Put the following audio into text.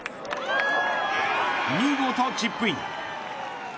見事、チップイン。